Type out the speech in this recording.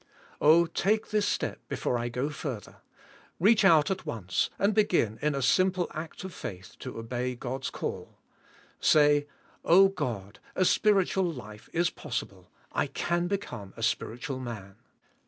Oh, take this step before I go further. Reach out at once and begin in a simple act of faith to obey God's call. Say, "O God, a spiritual life is possible, I can be come a spiritual man."